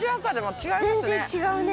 全然違うね。